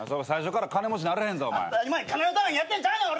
金のためにやってんちゃうねん。